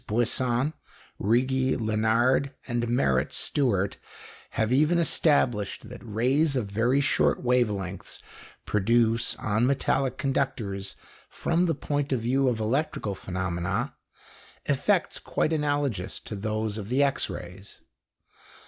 Buisson, Righi, Lenard, and Merrit Stewart have even established that rays of very short wave lengths produce on metallic conductors, from the point of view of electrical phenomena, effects quite analogous to those of the X rays.